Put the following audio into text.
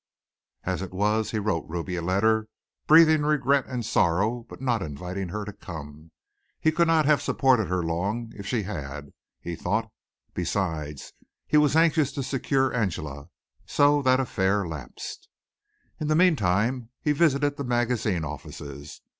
As it was, he wrote Ruby a letter breathing regret and sorrow but not inviting her to come. He could not have supported her long if she had, he thought. Besides he was anxious to secure Angela. So that affair lapsed. In the meantime he visited the magazine offices.